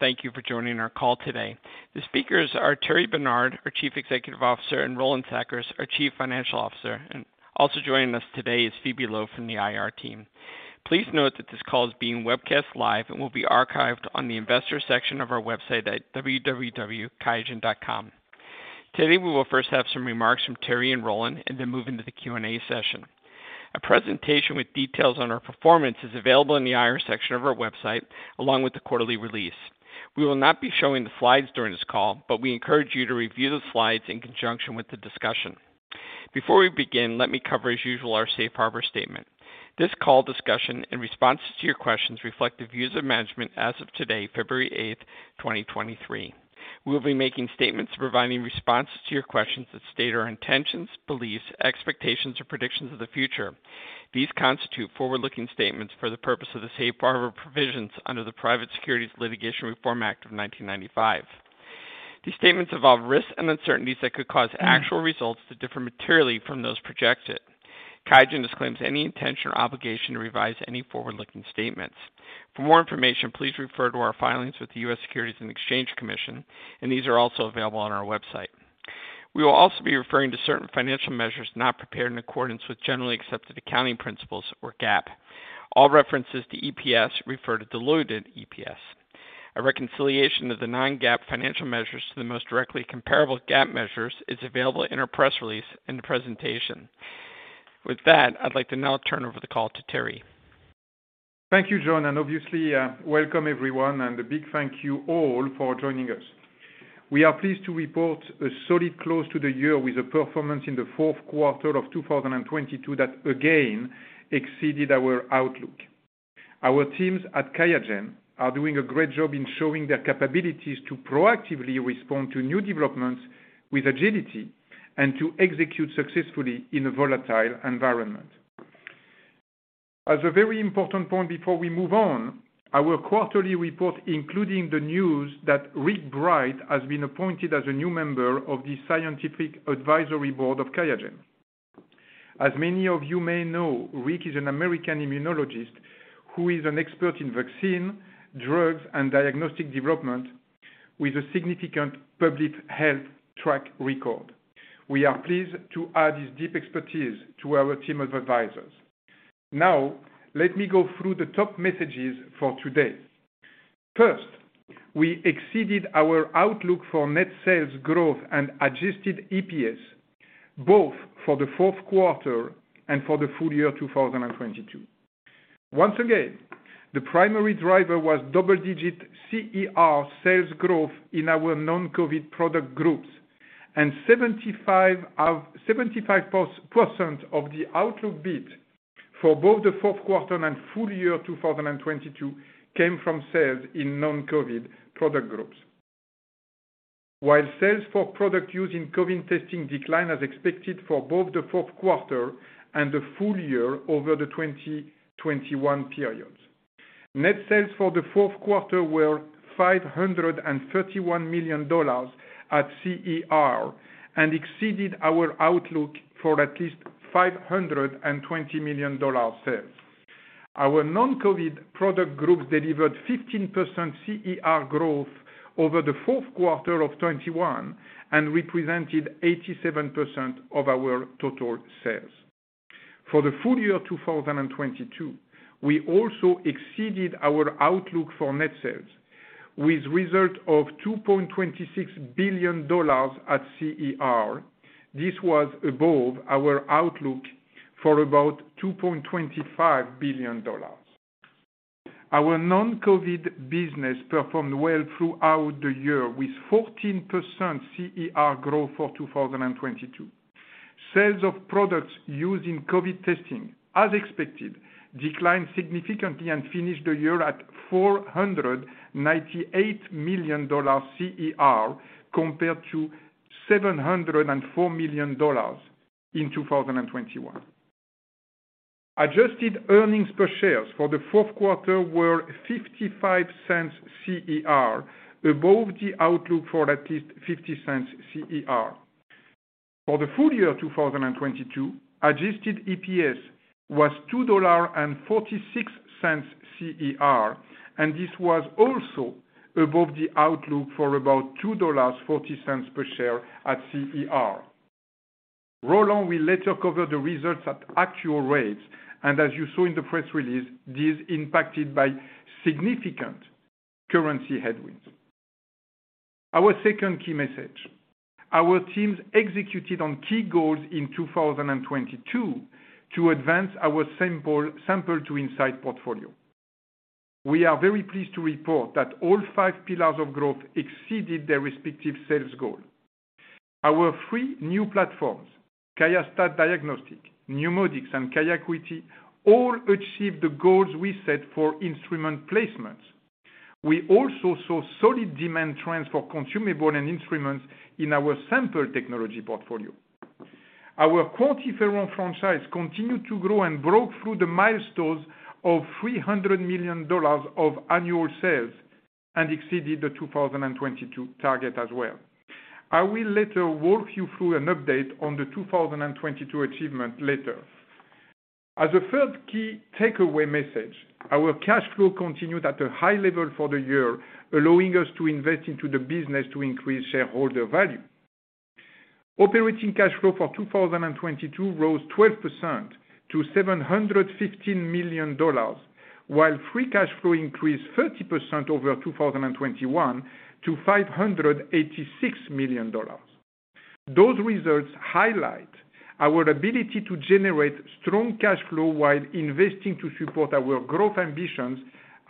Thank you for joining our call today. The speakers are Thierry Bernard, our Chief Executive Officer, and Roland Sackers, our Chief Financial Officer. Also joining us today is Phoebe Loh from the IR team. Please note that this call is being webcast live and will be archived on the investor section of our website at www.qiagen.com. Today, we will first have some remarks from Thierry and Roland and then move into the Q&A session. A presentation with details on our performance is available in the IR section of our website, along with the quarterly release. We will not be showing the slides during this call, but we encourage you to review the slides in conjunction with the discussion. Before we begin, let me cover as usual our safe harbor statement. This call discussion in responses to your questions reflect the views of management as of today, February 8th, 2023. We will be making statements providing responses to your questions that state our intentions, beliefs, expectations, or predictions of the future. These constitute forward-looking statements for the purpose of the safe harbor provisions under the Private Securities Litigation Reform Act of 1995. These statements involve risks and uncertainties that could cause actual results to differ materially from those projected. QIAGEN disclaims any intention or obligation to revise any forward-looking statements. For more information, please refer to our filings with the U.S. Securities and Exchange Commission, and these are also available on our website. We will also be referring to certain financial measures not prepared in accordance with generally accepted accounting principles or GAAP. All references to EPS refer to diluted EPS. A reconciliation of the non-GAAP financial measures to the most directly comparable GAAP measures is available in our press release in the presentation. With that, I'd like to now turn over the call to Thierry. Thank you, John. Obviously, welcome everyone and a big thank you all for joining us. We are pleased to report a solid close to the year with a performance in the fourth quarter of 2022 that again exceeded our outlook. Our teams at QIAGEN are doing a great job in showing their capabilities to proactively respond to new developments with agility and to execute successfully in a volatile environment. As a very important point before we move on, our quarterly report, including the news that Rick Bright has been appointed as a new member of the Scientific Advisory Board of QIAGEN. As many of you may know, Rick is an American immunologist who is an expert in vaccine, drugs, and diagnostic development with a significant public health track record. We are pleased to add his deep expertise to our team of advisors. Let me go through the top messages for today. First, we exceeded our outlook for net sales growth and adjusted EPS, both for the fourth quarter and for the full year 2022. Once again, the primary driver was double-digit CER sales growth in our non-COVID product groups, and 75% of the outlook bid for both the fourth quarter and full year 2022 came from sales in non-COVID product groups. Sales for product use in COVID testing declined as expected for both the fourth quarter and the full year over the 2021 periods. Net sales for the fourth quarter were $531 million at CER and exceeded our outlook for at least $520 million sales. Our non-COVID product groups delivered 15% CER growth over the fourth quarter of 2021 and represented 87% of our total sales. For the full year 2022, we also exceeded our outlook for net sales with result of $2.26 billion at CER. This was above our outlook for about $2.25 billion. Our non-COVID business performed well throughout the year with 14% CER growth for 2022. Sales of products used in COVID testing, as expected, declined significantly and finished the year at $498 million CER compared to $704 million in 2021. Adjusted earnings per share for the fourth quarter were $0.55 CER above the outlook for at least $0.50 CER. For the full year 2022, adjusted EPS was $2.46 CER. This was also above the outlook for about $2.40 per share at CER. Roland will later cover the results at actual rates. As you saw in the press release, these impacted by significant currency headwinds. Our second key message. Our teams executed on key goals in 2022 to advance our sample, Sample to Insight portfolio. We are very pleased to report that all Five Pillars of Growth exceeded their respective sales goal. Our three new platforms, QIAstat-Dx, NeuMoDx, and QIAcuity, all achieved the goals we set for instrument placements. We also saw solid demand trends for consumable and instruments in our sample technology portfolio. Our QuantiFERON franchise continued to grow and broke through the milestones of $300 million of annual sales and exceeded the 2022 target as well. I will later walk you through an update on the 2022 achievement later. As a third key takeaway message, our cash flow continued at a high level for the year, allowing us to invest into the business to increase shareholder value. Operating cash flow for 2022 rose 12% to $715 million, while free cash flow increased 30% over 2021 to $586 million. Those results highlight our ability to generate strong cash flow while investing to support our growth ambitions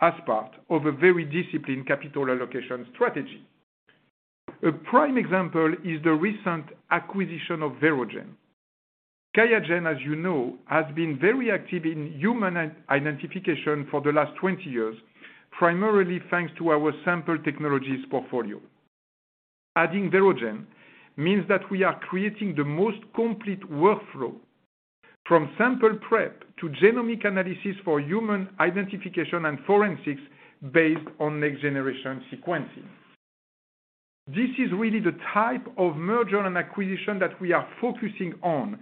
as part of a very disciplined capital allocation strategy. A prime example is the recent acquisition of Verogen. QIAGEN, as you know, has been very active in human identification for the last 20 years, primarily thanks to our Sample Technologies portfolio. Adding Verogen means that we are creating the most complete workflow from sample prep to genomic analysis for human identification and forensics based on next-generation sequencing. This is really the type of merger and acquisition that we are focusing on,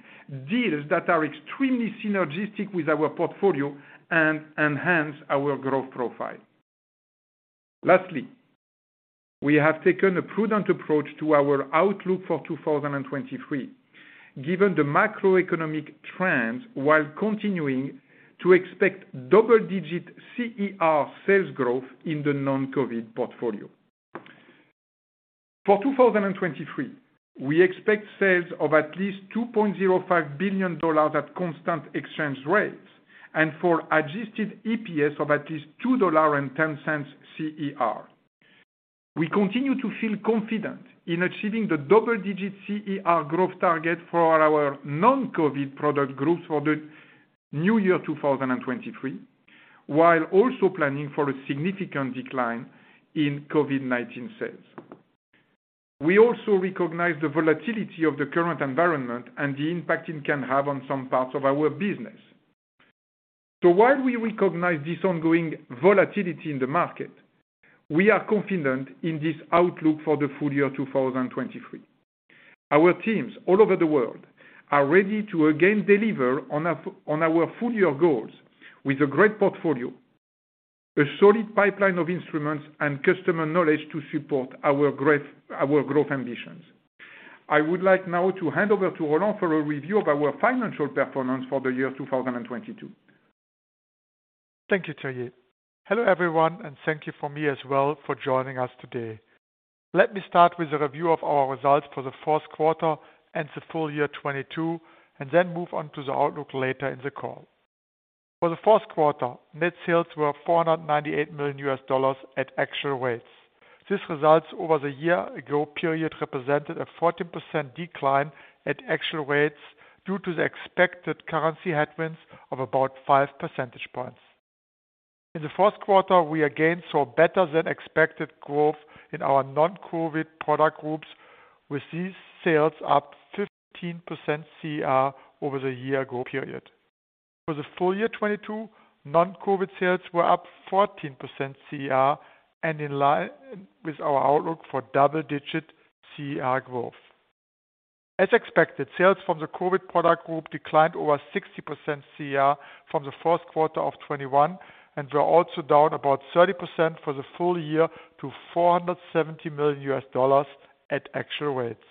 deals that are extremely synergistic with our portfolio and enhance our growth profile. Lastly, we have taken a prudent approach to our outlook for 2023, given the macroeconomic trends while continuing to expect double-digit CER sales growth in the non-COVID portfolio. For 2023, we expect sales of at least $2.05 billion at constant exchange rates and for adjusted EPS of at least $2.10 CER. We continue to feel confident in achieving the double-digit CER growth target for our non-COVID product groups for the new year 2023, while also planning for a significant decline in COVID-19 sales. We also recognize the volatility of the current environment and the impact it can have on some parts of our business. While we recognize this ongoing volatility in the market, we are confident in this outlook for the full year 2023. Our teams all over the world are ready to again deliver on our full year goals with a great portfolio, a solid pipeline of instruments and customer knowledge to support our growth ambitions. I would like now to hand over to Roland for a review of our financial performance for the year 2022. Thank you, Thierry. Hello, everyone. Thank you from me as well for joining us today. Let me start with a review of our results for the fourth quarter and the full year 2022. Then move on to the outlook later in the call. For the fourth quarter, net sales were $498 million at actual rates. These results over the year ago period represented a 14% decline at actual rates due to the expected currency headwinds of about 5 percentage points. In the fourth quarter, we again saw better-than-expected growth in our non-COVID product groups, with these sales up 15% CER over the year ago period. For the full year 2022, non-COVID sales were up 14% CER in line with our outlook for double-digit CER growth. As expected, sales from the COVID product group declined over 60% CER from the first quarter of 2021 and were also down about 30% for the full year to $470 million at actual rates.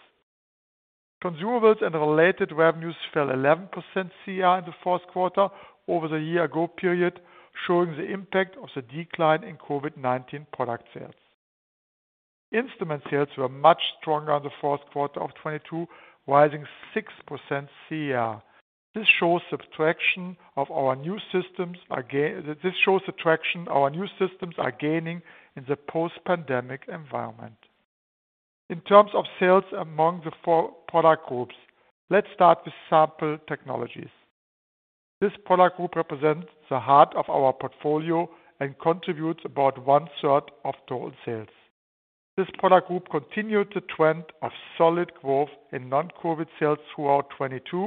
Consumables and related revenues fell 11% CER in the fourth quarter over the year ago period, showing the impact of the decline in COVID-19 product sales. Instrument sales were much stronger in the fourth quarter of 2022, rising 6% CER. This shows the traction our new systems are gaining in the post-pandemic environment. In terms of sales among the four product groups, let's start with Sample Technologies. This product group represents the heart of our portfolio and contributes about 1/3 of total sales. This product group continued the trend of solid growth in non-COVID sales throughout 2022,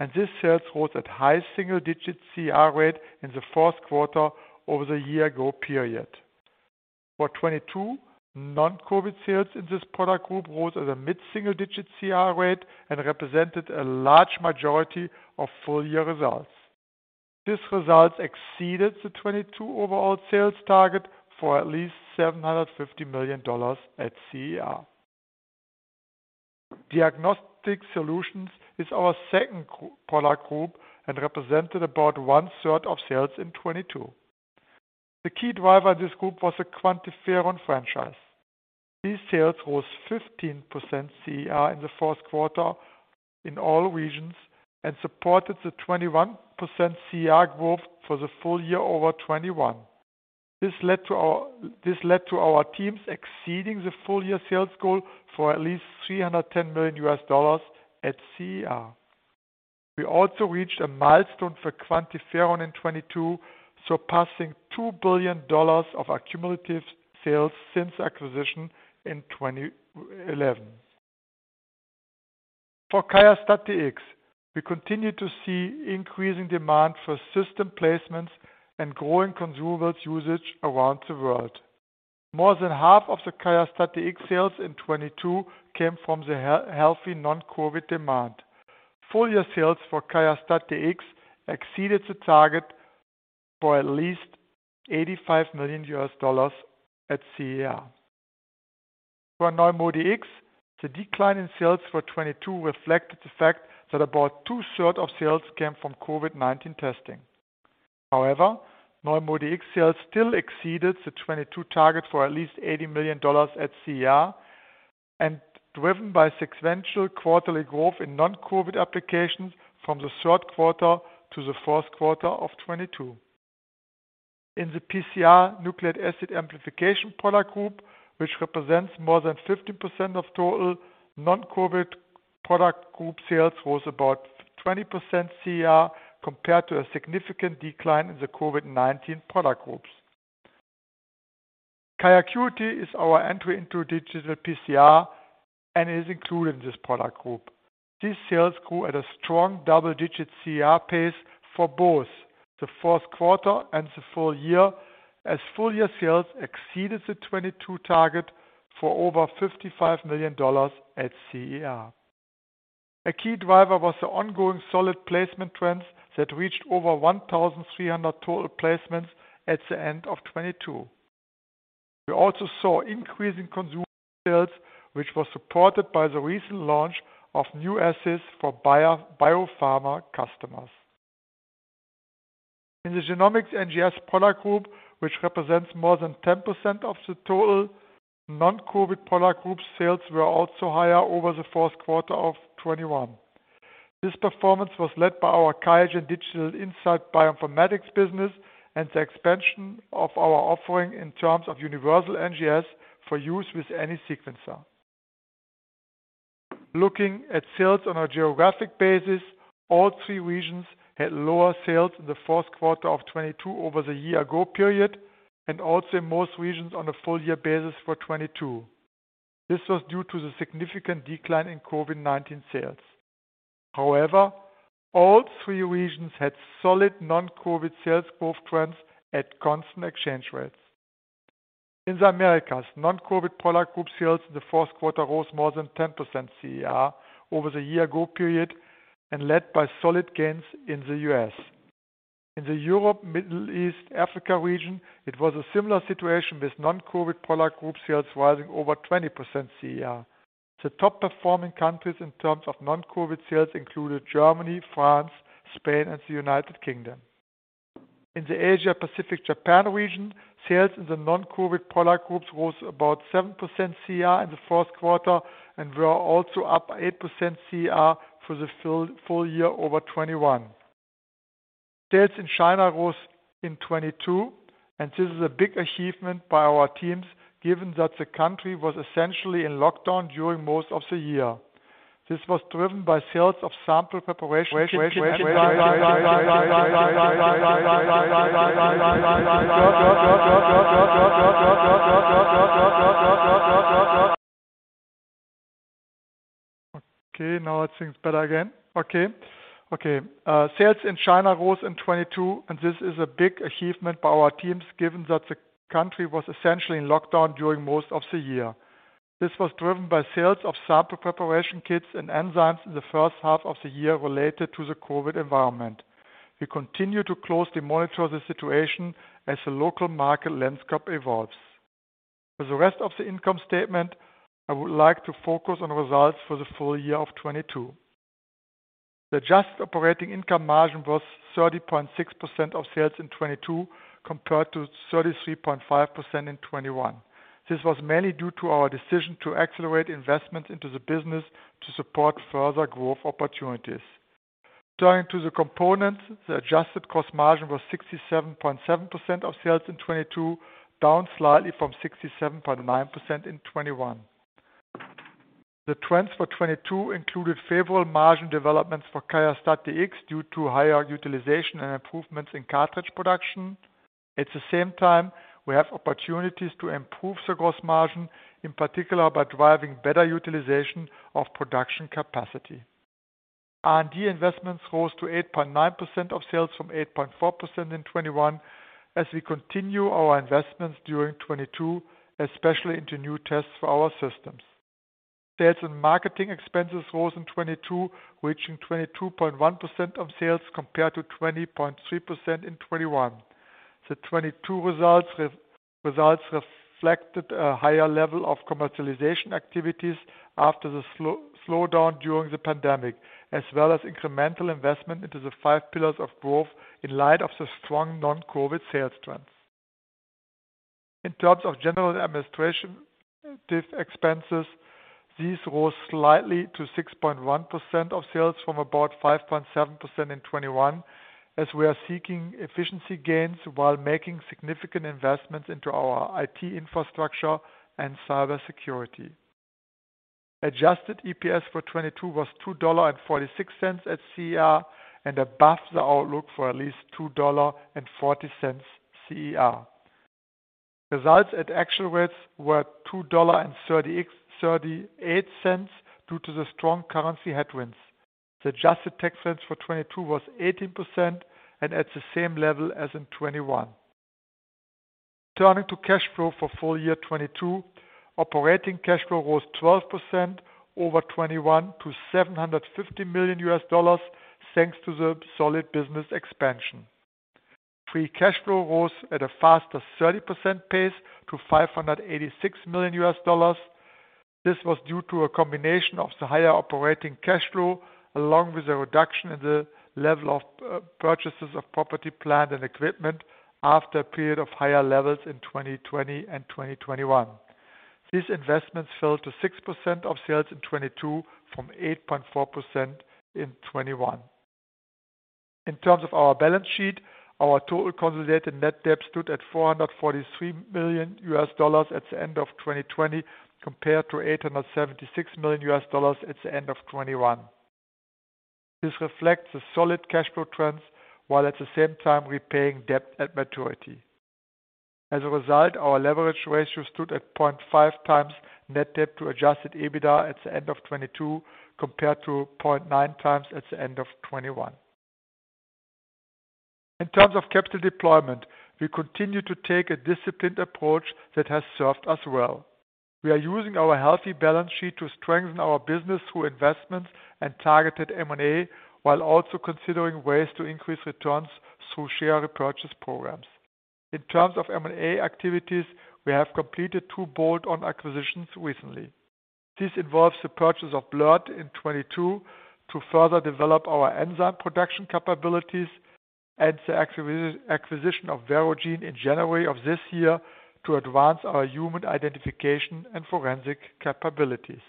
and these sales growth at high single-digit CER rate in the fourth quarter over the year-ago period. For 2022, non-COVID sales in this product group rose at a mid-single digit CER rate and represented a large majority of full year results. These results exceeded the 2022 overall sales target for at least $750 million at CER. Diagnostic Solutions is our second product group and represented about 1/3 of sales in 2022. The key driver of this group was the QuantiFERON franchise. These sales rose 15% CER in the fourth quarter in all regions and supported the 21% CER growth for the full year over 2021. This led to our teams exceeding the full year sales goal for at least $310 million at CER. We also reached a milestone for QuantiFERON in 2022, surpassing $2 billion of accumulative sales since acquisition in 2011. For QIAstat-Dx, we continue to see increasing demand for system placements and growing consumables usage around the world. More than half of the QIAstat-Dx sales in 2022 came from the healthy non-COVID demand. Full year sales for QIAstat-Dx exceeded the target for at least $85 million at CER. For NeuMoDx, the decline in sales for 2022 reflected the fact that about 2/3 of sales came from COVID-19 testing. NeuMoDx sales still exceeded the 2022 target for at least $80 million at CER and driven by sequential quarterly growth in non-COVID applications from the third quarter to the fourth quarter of 2022. In the PCR/Nucleic acid amplification product group, which represents more than 15% of total non-COVID product group sales, was about 20% CER compared to a significant decline in the COVID-19 product groups. QIAcuity is our entry into digital PCR and is included in this product group. These sales grew at a strong double-digit CER pace for both the fourth quarter and the full year as full year sales exceeded the 2022 target for over $55 million at CER. A key driver was the ongoing solid placement trends that reached over 1,300 total placements at the end of 2022. We also saw increasing consumer sales, which was supported by the recent launch of new assays for biopharma customers. In the Genomics/NGS product group, which represents more than 10% of the total non-COVID product group sales, were also higher over the fourth quarter of 2021. This performance was led by our QIAGEN Digital Insights bioinformatics business and the expansion of our offering in terms of universal NGS for use with any sequencer. Looking at sales on a geographic basis, all three regions had lower sales in the fourth quarter of 2022 over the year ago period, and also in most regions on a full year basis for 2022. This was due to the significant decline in COVID-19 sales. All three regions had solid non-COVID sales growth trends at constant exchange rates. In the Americas, non-COVID product group sales in the fourth quarter rose more than 10% CER over the year-ago period and led by solid gains in the U.S. In the Europe, Middle East, Africa region, it was a similar situation with non-COVID product group sales rising over 20% CER. The top performing countries in terms of non-COVID sales included Germany, France, Spain, and the United Kingdom. In the Asia Pacific Japan region, sales in the non-COVID product groups rose about 7% CER in the fourth quarter and were also up 8% CER for the full year over 2021. Sales in China rose in 2022. This is a big achievement by our teams, given that the country was essentially in lockdown during most of the year. This was driven by sales of sample preparation kits and enzymes. Now everything's better again. Okay, sales in China rose in 2022, and this is a big achievement by our teams, given that the country was essentially in lockdown during most of the year. This was driven by sales of sample preparation kits and enzymes in the first half of the year related to the COVID environment. We continue to closely monitor the situation as the local market landscape evolves. For the rest of the income statement, I would like to focus on results for the full year of 2022. The adjusted operating income margin was 30.6% of sales in 2022, compared to 33.5% in 2021. This was mainly due to our decision to accelerate investments into the business to support further growth opportunities. Turning to the components, the adjusted cost margin was 67.7% of sales in 2022, down slightly from 67.9% in 2021. The trends for 2022 included favorable margin developments for QIAstat-Dx due to higher utilization and improvements in cartridge production. At the same time, we have opportunities to improve the gross margin, in particular by driving better utilization of production capacity. R&D investments rose to 8.9% of sales from 8.4% in 2021 as we continue our investments during 2022, especially into new tests for our systems. Sales and marketing expenses rose in 2022, reaching 22.1% of sales compared to 20.3% in 2021. The 2022 results reflected a higher level of commercialization activities after the slowdown during the pandemic, as well as incremental investment into the Five Pillars of Growth in light of the strong non-COVID sales trends. In terms of general administrative expenses, these rose slightly to 6.1% of sales from about 5.7% in 2021, as we are seeking efficiency gains while making significant investments into our IT infrastructure and cybersecurity. Adjusted EPS for 2022 was $2.46 at CER and above the outlook for at least $2.40 CER. Results at actual rates were $2.38 due to the strong currency headwinds. The adjusted tax rate for 2022 was 18% and at the same level as in 2021. Turning to cash flow for full year 2022. Operating cash flow rose 12% over 2021 to $750 million thanks to the solid business expansion. Free cash flow rose at a faster 30% pace to $586 million. This was due to a combination of the higher operating cash flow, along with a reduction in the level of purchases of property plant and equipment after a period of higher levels in 2020 and 2021. These investments fell to 6% of sales in 2022 from 8.4% in 2021. In terms of our balance sheet, our total consolidated net debt stood at $443 million at the end of 2020 compared to $876 million at the end of 2021. This reflects the solid cash flow trends, while at the same time repaying debt at maturity. As a result, our leverage ratio stood at 0.5x net debt to Adjusted EBITDA at the end of 2022, compared to 0.9x at the end of 2021. In terms of capital deployment, we continue to take a disciplined approach that has served us well. We are using our healthy balance sheet to strengthen our business through investments and targeted M&A, while also considering ways to increase returns through share repurchase programs. In terms of M&A activities, we have completed two bolt-on acquisitions recently. This involves the purchase of BLIRT in 2022 to further develop our enzyme production capabilities and the acquisition of Verogen in January of this year to advance our human identification and forensic capabilities.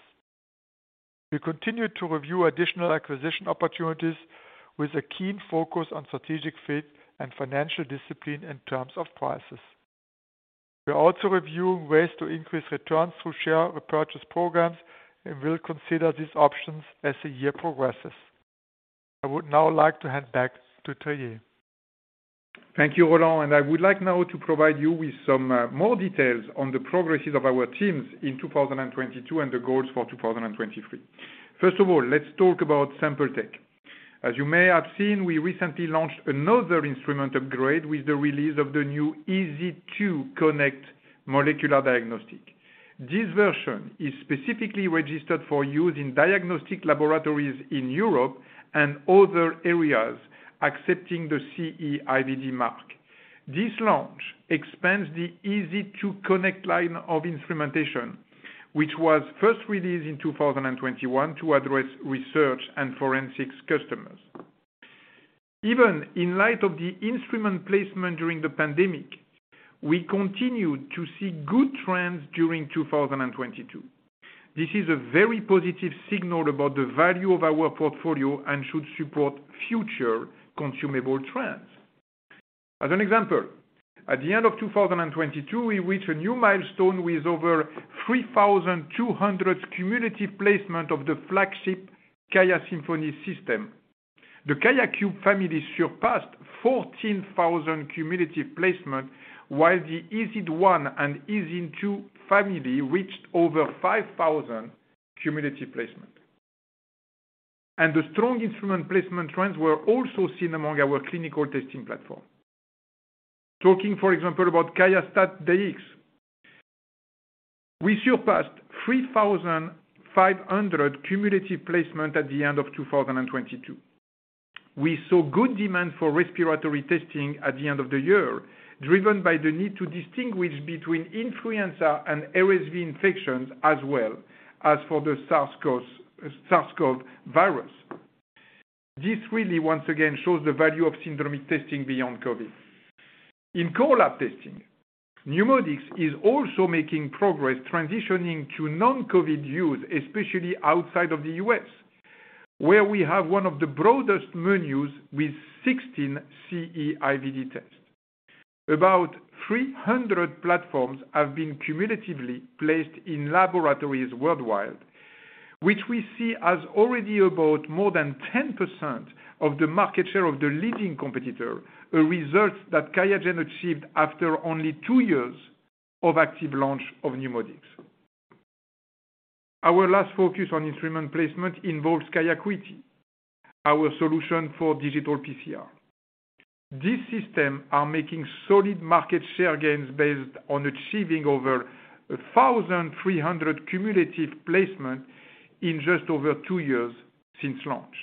We continue to review additional acquisition opportunities with a keen focus on strategic fit and financial discipline in terms of prices. We are also reviewing ways to increase returns through share repurchase programs and will consider these options as the year progresses. I would now like to hand back to Thierry. Thank you, Roland. I would like now to provide you with some more details on the progresses of our teams in 2022 and the goals for 2023. First of all, let's talk about Sample Tech. As you may have seen, we recently launched another instrument upgrade with the release of the new EZ2 Connect MDx. This version is specifically registered for use in diagnostic laboratories in Europe and other areas accepting the CE-IVD mark. This launch expands the EZ2 Connect line of instrumentation, which was first released in 2021 to address research and forensics customers. Even in light of the instrument placement during the pandemic, we continued to see good trends during 2022. This is a very positive signal about the value of our portfolio and should support future consumable trends. As an example, at the end of 2022, we reached a new milestone with over 3,200 cumulative placement of the flagship QIAsymphony system. The QIAcube family surpassed 14,000 cumulative placement, while the EZ1 and EZ2 family reached over 5,000 cumulative placement. The strong instrument placement trends were also seen among our clinical testing platform. Talking, for example, about QIAstat-Dx, we surpassed 3,500 cumulative placement at the end of 2022. We saw good demand for respiratory testing at the end of the year, driven by the need to distinguish between influenza and RSV infections, as well as for the SARS-CoV virus. This really, once again, shows the value of syndromic testing beyond COVID. In coral testing, NeuMoDx is also making progress transitioning to non-COVID use, especially outside of the U.S., where we have one of the broadest menus with 16 CE-IVD tests. About 300 platforms have been cumulatively placed in laboratories worldwide, which we see as already about more than 10% of the market share of the leading competitor, a result that QIAGEN achieved after only two years of active launch of NeuMoDx. Our last focus on instrument placement involves QIAcuity, our solution for digital PCR. These system are making solid market share gains based on achieving over 1,300 cumulative placement in just over two years since launch.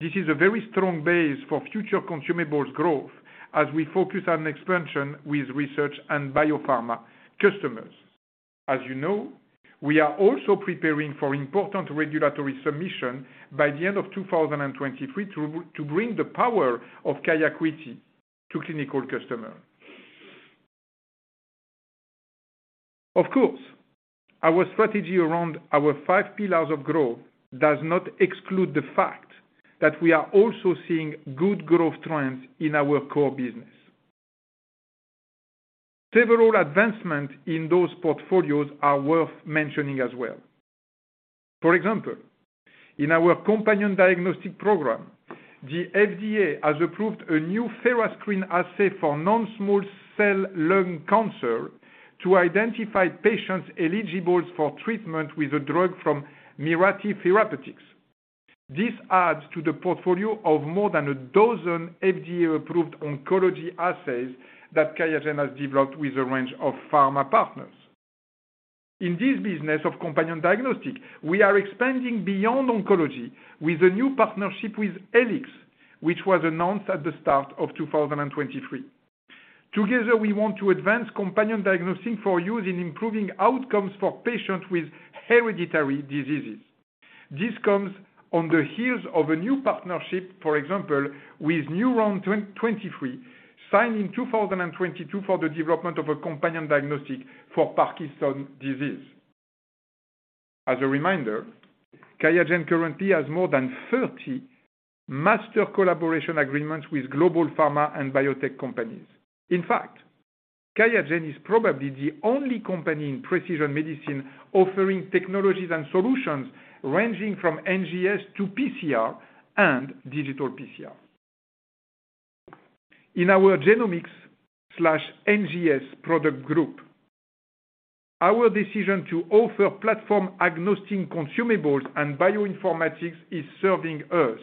This is a very strong base for future consumables growth as we focus on expansion with research and biopharma customers. As you know, we are also preparing for important regulatory submission by the end of 2023 to bring the power of QIAcuity to clinical customer. Our strategy around our Five Pillars of Growth does not exclude the fact that we are also seeing good growth trends in our core business. Several advancement in those portfolios are worth mentioning as well. In our companion diagnostic program. The FDA has approved a new therascreen assay for non-small cell lung cancer to identify patients eligible for treatment with a drug from Mirati Therapeutics. This adds to the portfolio of more than a dozen FDA-approved oncology assays that QIAGEN has developed with a range of pharma partners. In this business of companion diagnostic, we are expanding beyond oncology with a new partnership with Helix, which was announced at the start of 2023. Together, we want to advance companion diagnostic for use in improving outcomes for patients with hereditary diseases. This comes on the heels of a new partnership, for example, with Neuron23, signed in 2022 for the development of a companion diagnostic for Parkinson disease. As a reminder, QIAGEN currently has more than 30 master collaboration agreements with global pharma and biotech companies. In fact, QIAGEN is probably the only company in precision medicine offering technologies and solutions ranging from NGS to PCR and digital PCR. In our Genomics/NGS product group, our decision to offer platform-agnostic consumables and bioinformatics is serving us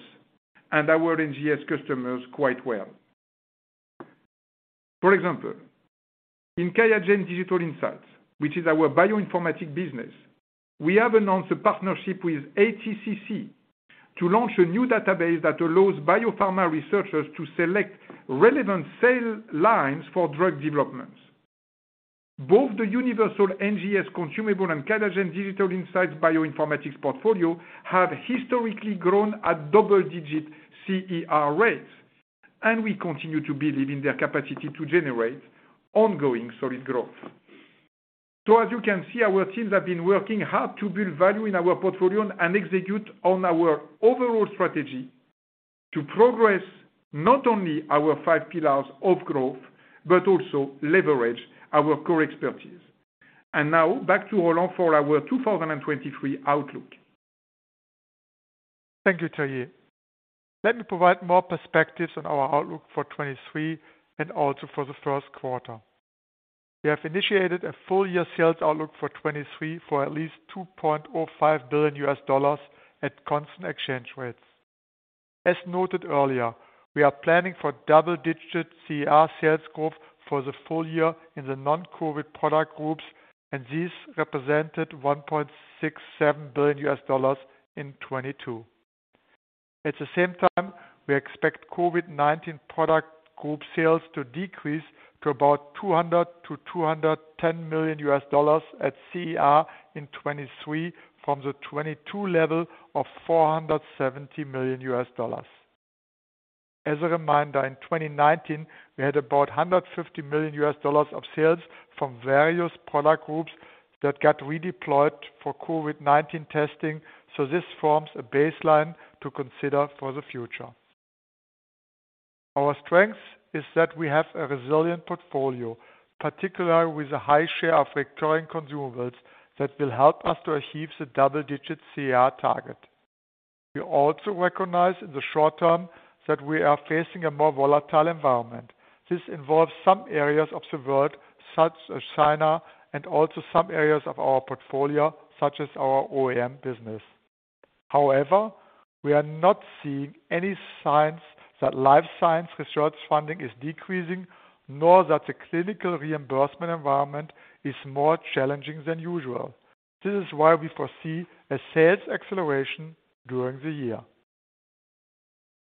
and our NGS customers quite well. For example, in QIAGEN Digital Insights, which is our bioinformatics business, we have announced a partnership with ATCC to launch a new database that allows biopharma researchers to select relevant cell lines for drug developments. Both the universal NGS consumable and QIAGEN Digital Insights bioinformatics portfolio have historically grown at double-digit CER rates. We continue to believe in their capacity to generate ongoing solid growth. As you can see, our teams have been working hard to build value in our portfolio and execute on our overall strategy to progress not only our Five Pillars of Growth, but also leverage our core expertise. Now back to Roland for our 2023 outlook. Thank you, Thierry. Let me provide more perspectives on our outlook for 2023 and also for the first quarter. We have initiated a full year sales outlook for 2023 for at least $2.05 billion at constant exchange rates. As noted earlier, we are planning for double-digit CER sales growth for the full year in the non-COVID product groups, and these represented $1.67 billion in 2022. At the same time, we expect COVID-19 product group sales to decrease to about $200 million-$210 million at CER in 2023 from the 2022 level of $470 million. As a reminder, in 2019, we had about $150 million of sales from various product groups that got redeployed for COVID-19 testing. This forms a baseline to consider for the future. Our strength is that we have a resilient portfolio, particularly with a high share of recurring consumables that will help us to achieve the double-digit CER target. We also recognize in the short term that we are facing a more volatile environment. This involves some areas of the world, such as China, and also some areas of our portfolio, such as our OEM business. We are not seeing any signs that life science research funding is decreasing, nor that the clinical reimbursement environment is more challenging than usual. This is why we foresee a sales acceleration during the year.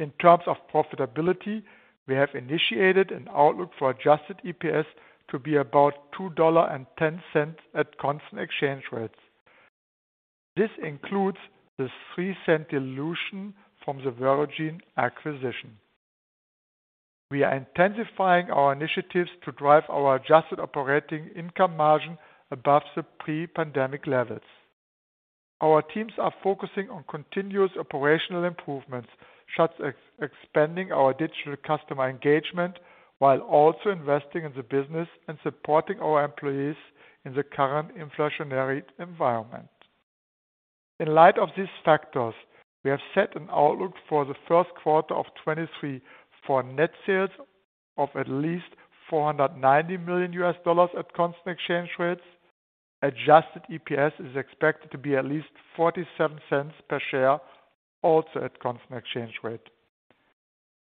In terms of profitability, we have initiated an outlook for adjusted EPS to be about $2.10 at constant exchange rates. This includes the $0.03 dilution from the Verogen acquisition. We are intensifying our initiatives to drive our adjusted operating income margin above the pre-pandemic levels. Our teams are focusing on continuous operational improvements, such as expanding our digital customer engagement, while also investing in the business and supporting our employees in the current inflationary environment. In light of these factors, we have set an outlook for the first quarter of 2023 for net sales of at least $490 million at constant exchange rates. Adjusted EPS is expected to be at least $0.47 per share, also at constant exchange rate.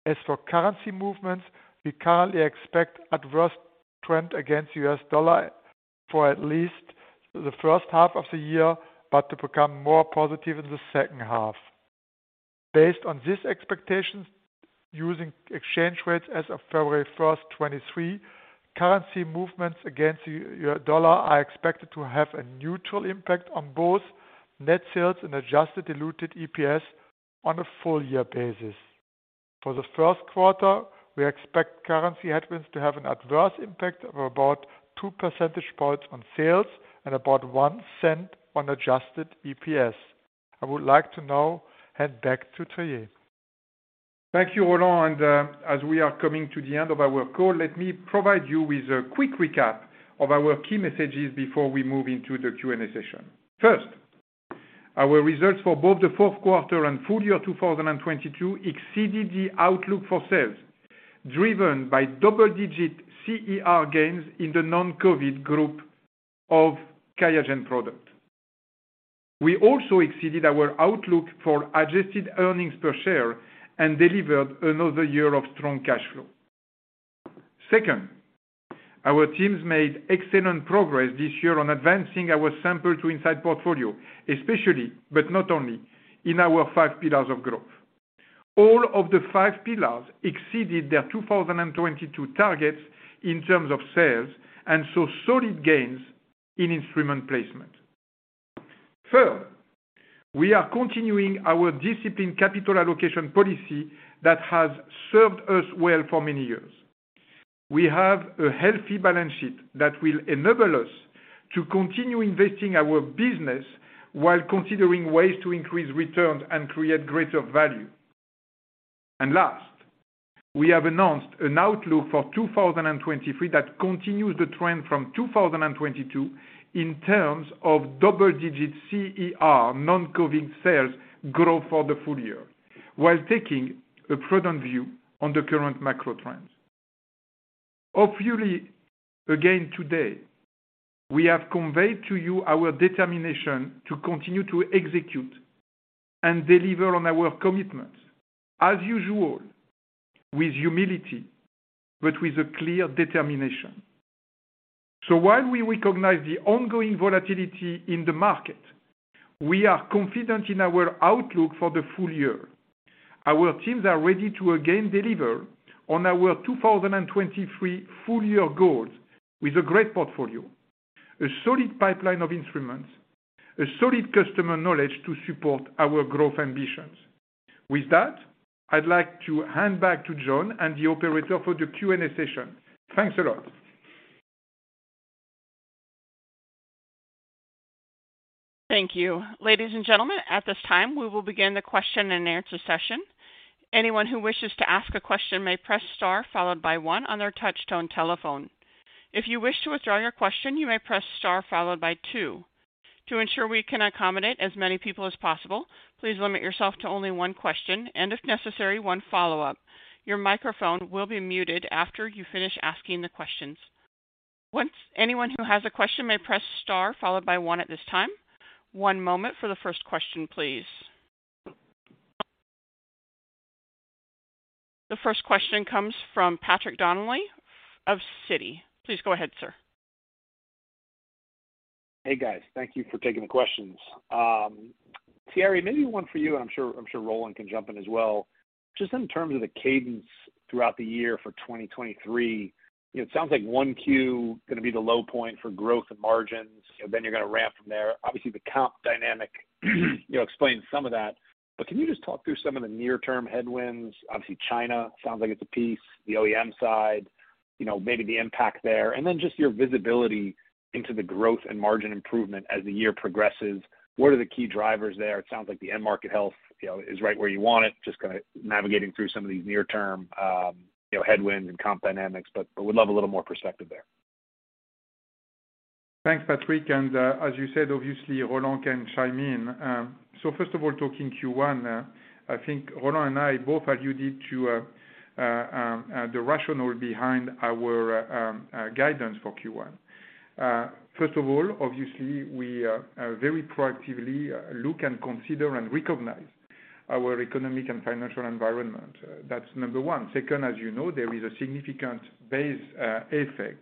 As for currency movements, we currently expect adverse trend against U.S. dollar for at least the first half of the year, but to become more positive in the second half. Based on this expectation, using exchange rates as of February 1st, 2023, currency movements against U.S. dollar are expected to have a neutral impact on both net sales and adjusted diluted EPS on a full year basis. For the first quarter, we expect currency headwinds to have an adverse impact of about 2 percentage points on sales and about $0.01 on adjusted EPS. I would like to now hand back to Thierry. Thank you, Roland. As we are coming to the end of our call, let me provide you with a quick recap of our key messages before we move into the Q&A session. First, our results for both the fourth quarter and full year 2022 exceeded the outlook for sales, driven by double-digit CER gains in the non-COVID group of QIAGEN product. We also exceeded our outlook for adjusted earnings per share and delivered another year of strong cash flow. Second, our teams made excellent progress this year on advancing our Sample to Insight portfolio, especially, but not only, in our Five Pillars of Growth. All of the Five Pillars exceeded their 2022 targets in terms of sales, and saw solid gains in instrument placement. Third, we are continuing our disciplined capital allocation policy that has served us well for many years. We have a healthy balance sheet that will enable us to continue investing our business while considering ways to increase returns and create greater value. Last, we have announced an outlook for 2023 that continues the trend from 2022 in terms of double-digit CER non-COVID sales growth for the full year while taking a prudent view on the current macro trends. Hopefully, again today, we have conveyed to you our determination to continue to execute and deliver on our commitments, as usual, with humility, but with a clear determination. While we recognize the ongoing volatility in the market, we are confident in our outlook for the full year. Our teams are ready to again deliver on our 2023 full year goals with a great portfolio, a solid pipeline of instruments, a solid customer knowledge to support our growth ambitions. With that, I'd like to hand back to John and the operator for the Q&A session. Thanks a lot. Thank you. Ladies and gentlemen, at this time, we will begin the question and answer session. Anyone who wishes to ask a question may press star followed by one on their touch tone telephone. If you wish to withdraw your question, you may press star followed by two. To ensure we can accommodate as many people as possible, please limit yourself to only one question, and if necessary, one follow-up. Your microphone will be muted after you finish asking the questions. Once anyone who has a question may press star followed by one at this time. One moment for the first question, please. The first question comes from Patrick Donnelly of Citi. Please go ahead, sir. Hey, guys. Thank you for taking the questions. Thierry, maybe one for you, and I'm sure Roland can jump in as well. Just in terms of the cadence throughout the year for 2023, it sounds like 1Q gonna be the low point for growth and margins, then you're gonna ramp from there. Obviously, the comp dynamic, you know, explains some of that. Can you just talk through some of the near-term headwinds? Obviously, China sounds like it's a piece. The OEM side, you know, maybe the impact there. Just your visibility into the growth and margin improvement as the year progresses. What are the key drivers there? It sounds like the end market health, you know, is right where you want it. Just kinda navigating through some of these near-term, you know, headwinds and comp dynamics, but we'd love a little more perspective there. Thanks, Patrick. As you said, obviously, Roland can chime in. First of all, talking Q1, I think Roland and I both alluded to the rationale behind our guidance for Q1. First of all, obviously, we very proactively look and consider and recognize our economic and financial environment. That's number one. Second, as you know, there is a significant base effect,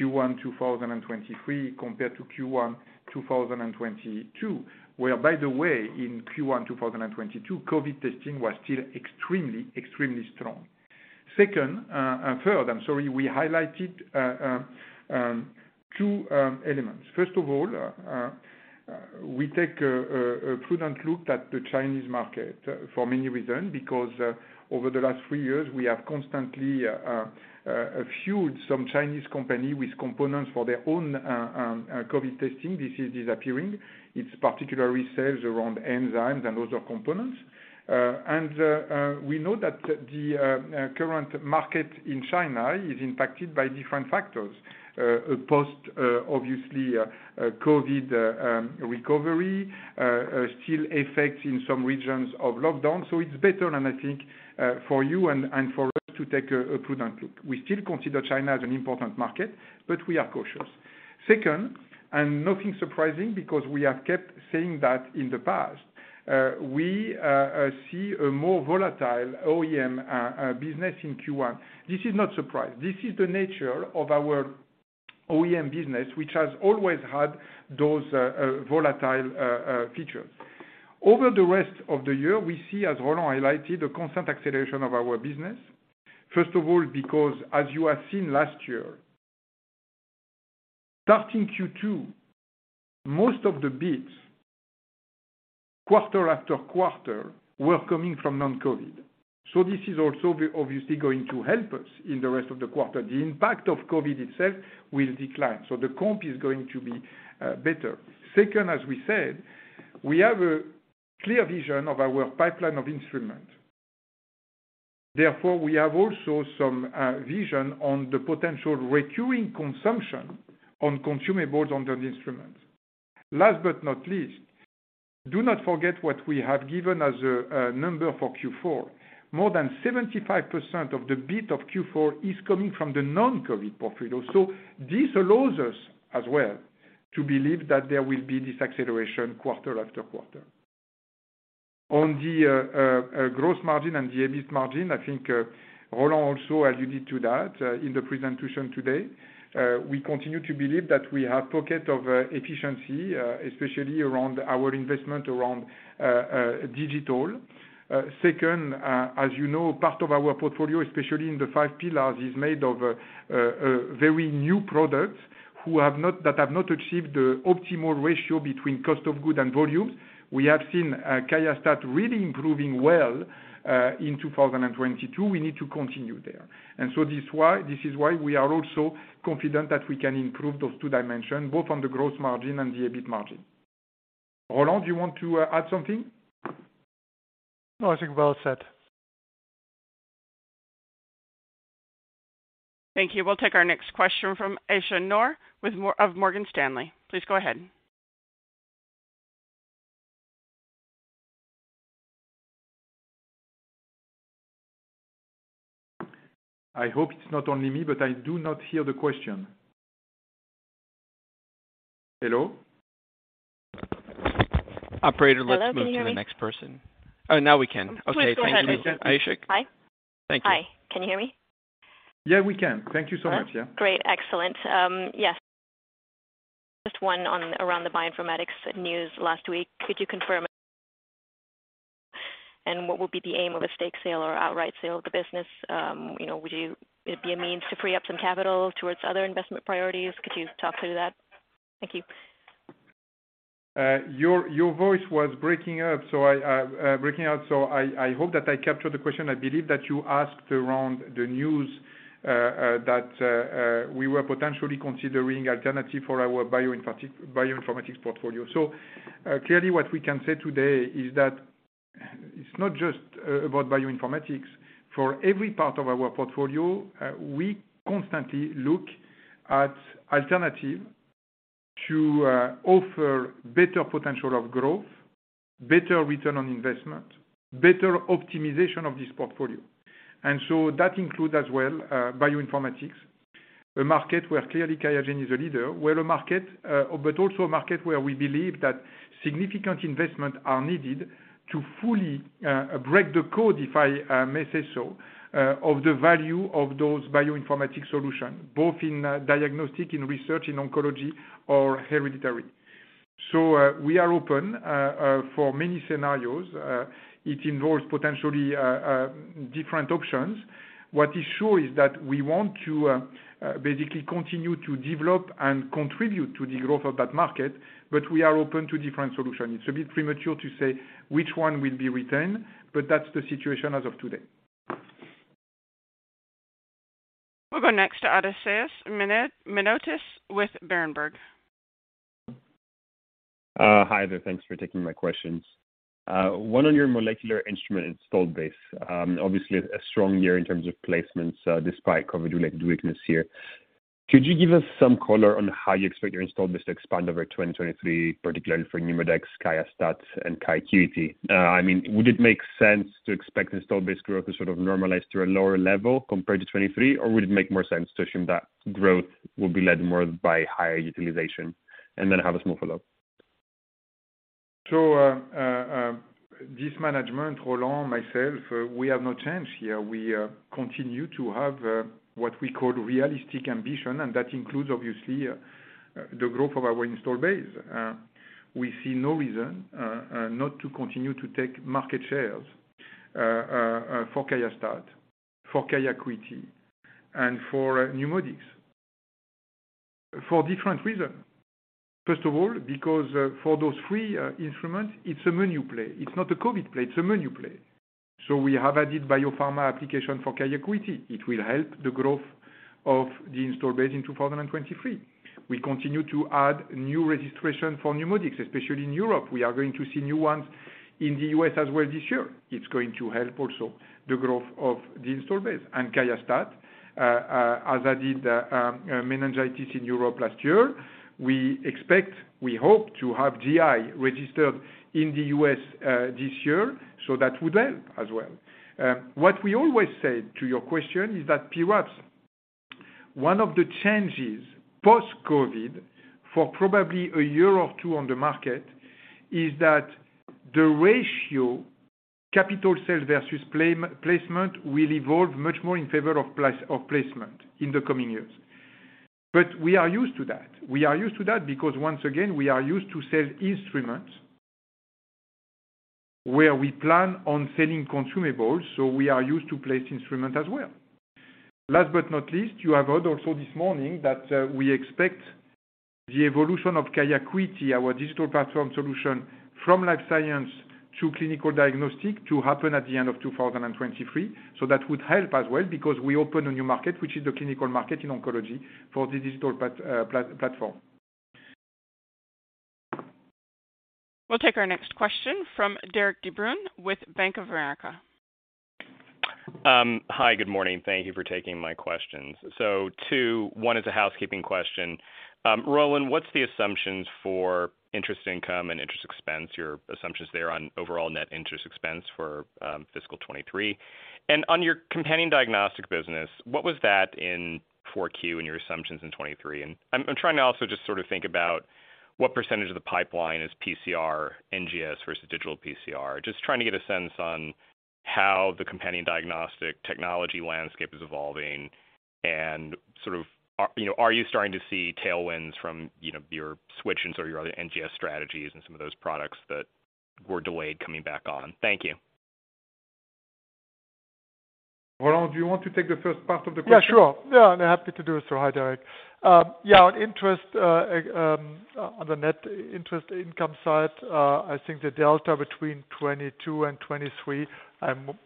Q1 2023 compared to Q1 2022. Where, by the way, in Q1 2022, COVID testing was still extremely strong. Second, and third, I'm sorry. We highlighted two elements. First of all, we take a prudent look at the Chinese market for many reasons, because over the last three years, we have constantly fueled some Chinese company with components for their own COVID testing. This is disappearing. It's particularly sales around enzymes and other components. We know that the current market in China is impacted by different factors. Post obviously COVID recovery, still effects in some regions of lockdown. It's better and I think for you and for us to take a prudent look. We still consider China as an important market, but we are cautious. Second, nothing surprising because we have kept saying that in the past, we see a more volatile OEM business in Q1. This is not surprise. This is the nature of our OEM business, which has always had those volatile features. Over the rest of the year, we see, as Roland highlighted, a constant acceleration of our business. First of all, because as you have seen last year, starting Q2, most of the bids, quarter after quarter, were coming from non-COVID. This is also obviously going to help us in the rest of the quarter. The impact of COVID itself will decline, so the comp is going to be better. Second, as we said, we have a clear vision of our pipeline of instruments. Therefore, we have also some vision on the potential recurring consumption on consumables on the instruments. Last but not least, do not forget what we have given as a number for Q4. More than 75% of the beat of Q4 is coming from the non-COVID portfolio. This allows us as well to believe that there will be this acceleration quarter after quarter. On the gross margin and the EBIT margin, I think Roland also alluded to that in the presentation today. We continue to believe that we have pocket of efficiency, especially around our investment around digital. Second, as you know, part of our portfolio, especially in the five pillars, is made of very new products that have not achieved the optimal ratio between cost of goods and volumes. We have seen QIAstat really improving well in 2022. We need to continue there. This is why we are also confident that we can improve those two dimensions, both on the gross margin and the EBIT margin. Roland, do you want to add something? No, I think well said. Thank you. We'll take our next question from Aisyah Noor of Morgan Stanley. Please go ahead. I hope it's not only me, but I do not hear the question. Hello? Operator, let's move to the next person. Hello? Can you hear me? Oh, now we can. Okay. Please go ahead. Thank you, Aisyah. Hi? Thank you. Hi. Can you hear me? Yeah, we can. Thank you so much. Yeah. Great. Excellent. Yes, just one on around the bioinformatics news last week. Could you confirm and what would be the aim of a stake sale or outright sale of the business? You know, would you, it'd be a means to free up some capital towards other investment priorities? Could you talk through that? Thank you. Your voice was breaking up, so I breaking out. I hope that I captured the question. I believe that you asked around the news that we were potentially considering alternative for our bioinformatics portfolio. Clearly what we can say today is that it's not just about bioinformatics. For every part of our portfolio, we constantly look at alternative to offer better potential of growth, better return on investment, better optimization of this portfolio. That includes as well bioinformatics, a market where clearly QIAGEN is a leader, but also a market where we believe that significant investment are needed to fully break the code, if I may say so, of the value of those bioinformatics solution, both in diagnostic, in research, in oncology or hereditary. We are open for many scenarios. It involves potentially different options. What is sure is that we want to basically continue to develop and contribute to the growth of that market, but we are open to different solutions. It's a bit premature to say which one will be retained, but that's the situation as of today. We'll go next to Odysseas Manesiotis with Berenberg. Hi there. Thanks for taking my questions. One on your molecular instrument installed base. Obviously a strong year in terms of placements, despite COVID-related weakness here. Could you give us some color on how you expect your installed base to expand over 2023, particularly for NeuMoDx, QIAstat and QIAcuity? I mean, would it make sense to expect installed base growth to sort of normalize to a lower level compared to 2023? Would it make more sense to assume that growth will be led more by higher utilization? I have a small follow-up. This management, Roland, myself, we have no change here. We continue to have what we call realistic ambition, and that includes obviously the growth of our installed base. We see no reason not to continue to take market shares for QIAstat, for QIAcuity, and for NeuMoDx for different reasons. First of all, because for those three instruments, it's a menu play. It's not a COVID play, it's a menu play. We have added biopharma application for QIAcuity. It will help the growth of the installed base in 2023. We continue to add new registration for NeuMoDx, especially in Europe. We are going to see new ones in the U.S. as well this year. It's going to help also the growth of the installed base and QIAstat. As I did meningitis in Europe last year, we expect, we hope to have GI registered in the U.S. This year, so that would help as well. What we always said to your question is that perhaps one of the changes post-COVID for probably a year or two on the market is that the ratio capital sales versus placement will evolve much more in favor of placement in the coming years. We are used to that. We are used to that because once again, we are used to sell instruments where we plan on selling consumables, so we are used to place instrument as well. Last but not least, you have heard also this morning that, we expect the evolution of QIAcuity, our digital platform solution, from life science to clinical diagnostic to happen at the end of 2023. That would help as well because we open a new market, which is the clinical market in oncology for the digital platform. We'll take our next question from Derik De Bruin with Bank of America. Hi, good morning. Thank you for taking my questions. Two, one is a housekeeping question. Roland, what's the assumptions for interest income and interest expense, your assumptions there on overall net interest expense for fiscal 2023? On your companion diagnostic business, what was that in Q4 in your assumptions in 2023? I'm trying to also just sort of think about what percentage of the pipeline is PCR, NGS versus digital PCR. Just trying to get a sense on how the companion diagnostic technology landscape is evolving and sort of are you starting to see tailwinds from, you know, your switch and sort of your other NGS strategies and some of those products that were delayed coming back on. Thank you. Roland, do you want to take the first part of the question? Yeah, sure. Yeah, happy to do so. Hi, Derek. Yeah, on interest, on the net interest income side, I think the delta between 2022 and 2023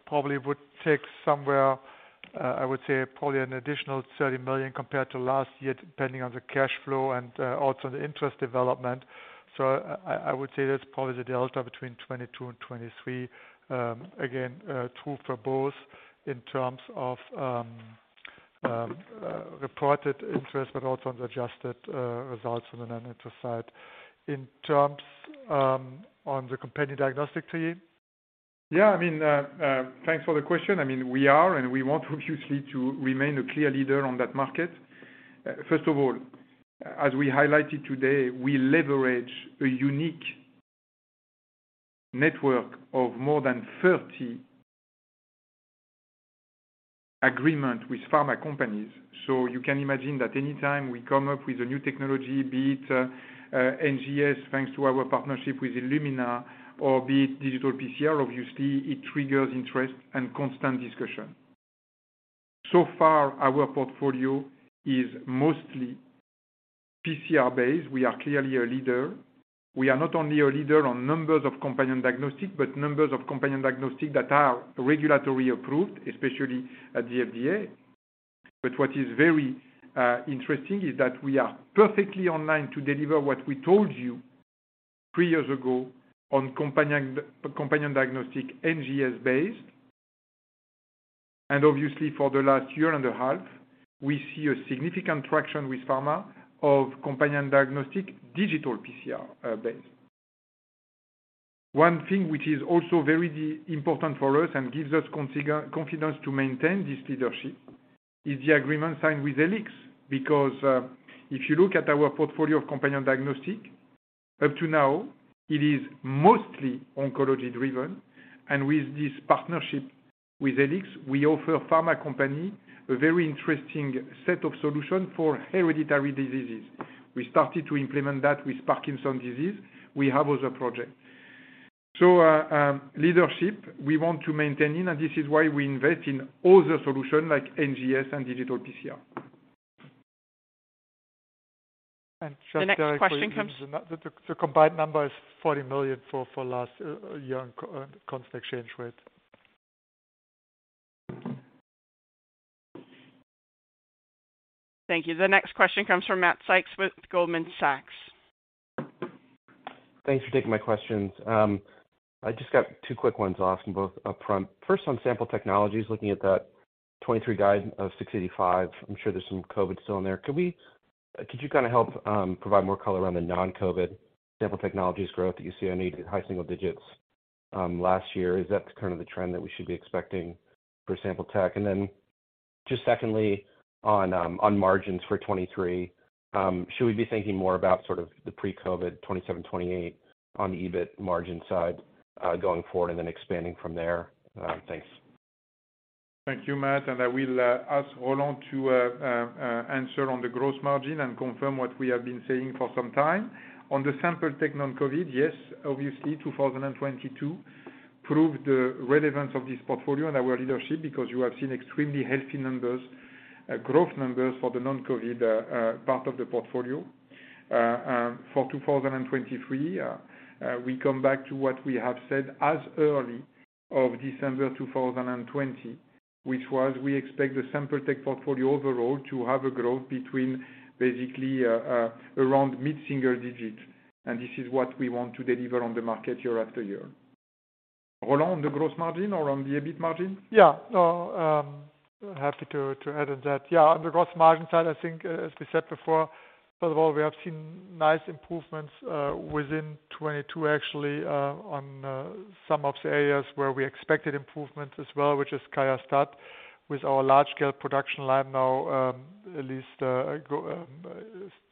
probably would take somewhere, I would say probably an additional $30 million compared to last year, depending on the cash flow and also the interest development. I would say that's probably the delta between 2022 and 2023. Again, true for both in terms of reported interest, but also the adjusted results on the net interest side. In terms, on the companion diagnostic team. Yeah. I mean, thanks for the question. I mean, we are, and we want obviously to remain a clear leader on that market. First of all, as we highlighted today, we leverage a unique network of more than 30 agreement with pharma companies. You can imagine that anytime we come up with a new technology, be it NGS, thanks to our partnership with Illumina, or be it digital PCR, obviously it triggers interest and constant discussion. Far, our portfolio is mostly PCR-based. We are clearly a leader. We are not only a leader on numbers of companion diagnostic, but numbers of companion diagnostic that are regulatory approved, especially at the FDA. What is very interesting is that we are perfectly online to deliver what we told you three years ago on companion diagnostic NGS-based. Obviously for the last year and a half, we see a significant traction with pharma of companion diagnostic digital PCR based. One thing which is also very important for us and gives us confidence to maintain this leadership is the agreement signed with Helix. If you look at our portfolio of companion diagnostic, up to now it is mostly oncology driven. With this partnership with Helix, we offer pharma company a very interesting set of solution for hereditary diseases. We started to implement that with Parkinson's disease. We have other project. Leadership, we want to maintain, and this is why we invest in other solution like NGS and digital PCR. just directly- The next question. The combined number is $40 million for last year in constant exchange rate. Thank you. The next question comes from Matt Sykes with Goldman Sachs. Thanks for taking my questions. I just got two quick ones off both upfront. First, on Sample Technologies, looking at that 2023 guide of $685 million, I'm sure there's some COVID still in there. Could you kind of help provide more color around the non-COVID Sample Technologies growth that you see on high single digits last year? Is that kind of the trend that we should be expecting for Sample Tech? Secondly, on margins for 2023, should we be thinking more about sort of the pre-COVID 27%-28% on the EBIT margin side going forward and then expanding from there? Thanks. Thank you, Matt. I will ask Roland to answer on the gross margin and confirm what we have been saying for some time. On the sample tech non-COVID, yes, obviously 2022 proved the relevance of this portfolio and our leadership because you have seen extremely healthy numbers, growth numbers for the non-COVID part of the portfolio. For 2023, we come back to what we have said as early of December 2020, which was we expect the sample tech portfolio overall to have a growth between basically around mid-single digits. This is what we want to deliver on the market year after year. Roland, the gross margin or on the EBIT margin? Yeah. No, happy to add on that. Yeah, on the gross margin side, I think as we said before, first of all, we have seen nice improvements within 2022, actually, on some of the areas where we expected improvements as well, which is QIAstat with our large scale production line now, at least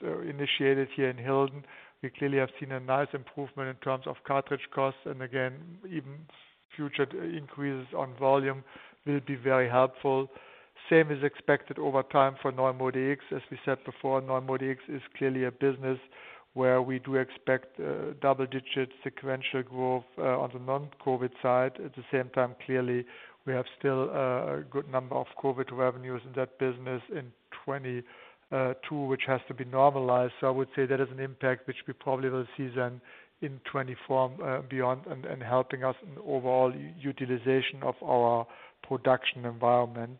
initiated here in Hilden. We clearly have seen a nice improvement in terms of cartridge costs. Again, even future increases on volume will be very helpful. Same is expected over time for NeuMoDx. As we said before, NeuMoDx is clearly a business where we do expect double-digit sequential growth on the non-COVID side. At the same time, clearly, we have still a good number of COVID revenues in that business in 2022, which has to be normalized. I would say that is an impact which we probably will see then in 2024, beyond and helping us in overall utilization of our production environment.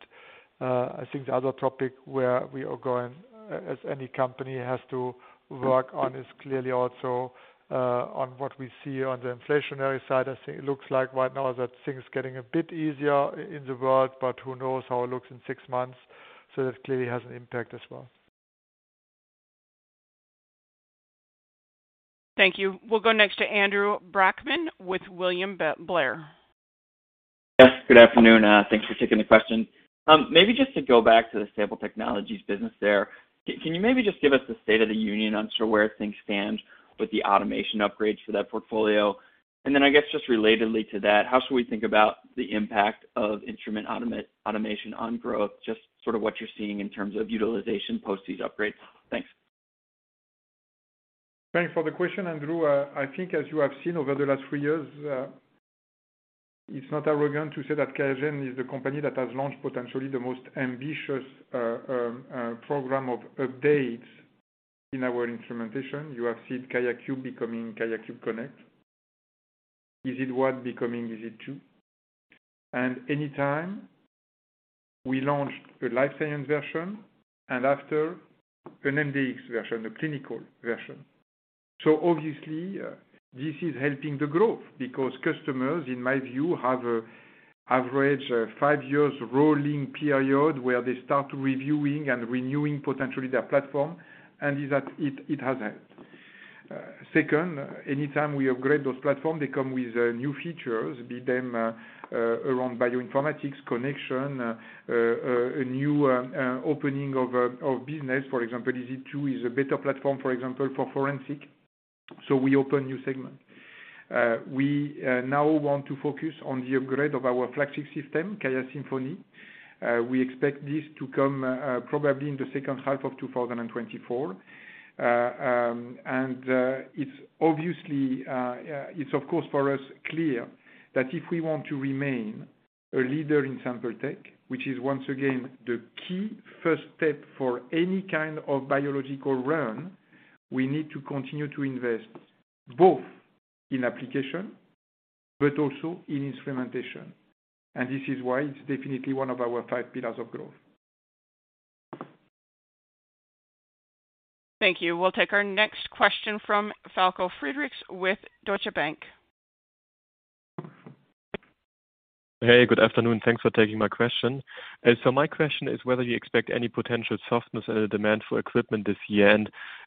I think the other topic where we are going, as any company has to work on, is clearly also, on what we see on the inflationary side. I think it looks like right now that things getting a bit easier in the world, but who knows how it looks in six months. That clearly has an impact as well. Thank you. We'll go next to Andrew Brackmann with William Blair. Yes, good afternoon. Thanks for taking the question. Maybe just to go back to the Sample Technologies business there. Can you maybe just give us the state of the union, unsure where things stand with the automation upgrades for that portfolio. I guess just relatedly to that, how should we think about the impact of instrument automation on growth? Just sort of what you're seeing in terms of utilization post these upgrades. Thanks. Thanks for the question, Andrew. I think as you have seen over the last three years, it's not arrogant to say that QIAGEN is the company that has launched potentially the most ambitious program of updates in our instrumentation. You have seen QIAcube becoming QIAcube Connect. EZ1 becoming EZ2. Anytime we launched a life science version and after an MDx version, a clinical version. Obviously, this is helping the growth because customers, in my view, have a average five years rolling period where they start reviewing and renewing potentially their platform. It has helped. Second, anytime we upgrade those platform, they come with new features, be them around bioinformatics connection, a new opening of a, of business. For example, EZ2 is a better platform, for example, for forensic. We open new segment. We now want to focus on the upgrade of our flagship system, QIAsymphony. We expect this to come probably in the second half of 2024. It's obviously, it's of course for us clear that if we want to remain a leader in sample tech, which is once again the key first step for any kind of biological run, we need to continue to invest both in application but also in instrumentation. This is why it's definitely one of our Five Pillars of Growth. Thank you. We'll take our next question from Falko Friedrichs with Deutsche Bank. Hey, good afternoon. Thanks for taking my question. My question is whether you expect any potential softness in the demand for equipment this year.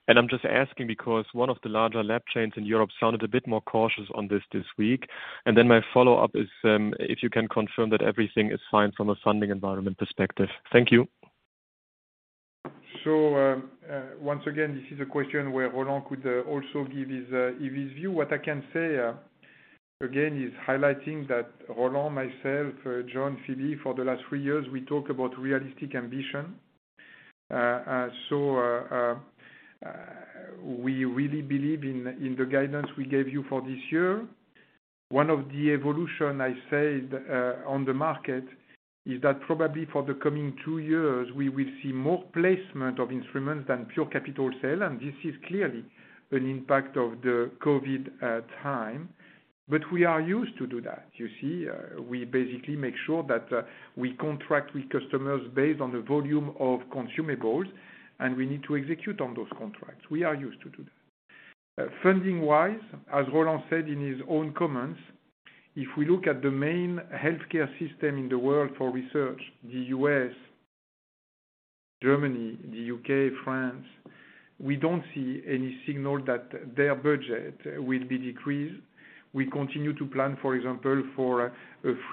I'm just asking because one of the larger lab chains in Europe sounded a bit more cautious on this this week. My follow-up is, if you can confirm that everything is fine from a funding environment perspective. Thank you. Once again, this is a question where Roland could also give his view. What I can say again, is highlighting that Roland, myself, John, Philippe, for the last three years, we talk about realistic ambition. We really believe in the guidance we gave you for this year. One of the evolution I said on the market is that probably for the coming two years, we will see more placement of instruments than pure capital sale, and this is clearly an impact of the COVID time. We are used to do that. You see, we basically make sure that we contract with customers based on the volume of consumables, and we need to execute on those contracts. We are used to do that. Funding-wise, as Roland said in his own comments, if we look at the main healthcare system in the world for research, the U.S., Germany, the U.K., France, we don't see any signal that their budget will be decreased. We continue to plan, for example, for a